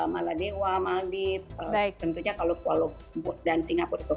maladewa maldives tentunya kalau kuala lumpur dan singapura itu